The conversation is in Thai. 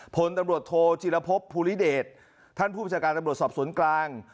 พลตำรวจโทจิลภพภูริเดชท่านผู้ประชาการตำรวจสอบสวนกลาง